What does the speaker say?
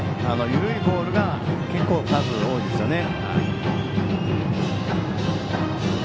緩いボールが結構数多いですね。